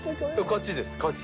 勝ちです勝ち。